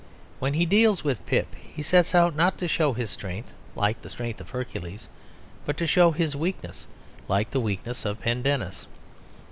When he deals with Pip he sets out not to show his strength like the strength of Hercules, but to show his weakness like the weakness of Pendennis.